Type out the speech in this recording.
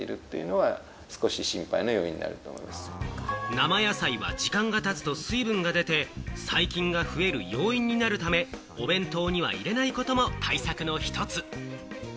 生野菜は時間がたつと水分が出て細菌が増える要因になるため、お弁当には入れないことも対策の１つ。